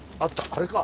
あれか。